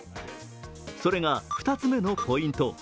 それが２つめのポイント。